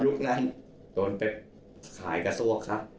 ยุคนั้นโจฮัสขายกระซวกครับ